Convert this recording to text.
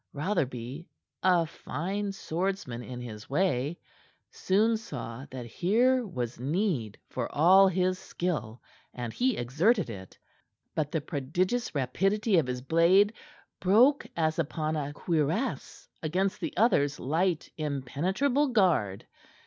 Rotherby, a fine swordsman in his way, soon saw that here was need for all his skill, and he exerted it. But the prodigious rapidity of his blade broke as upon a cuirass against the other's light, impenetrable guard.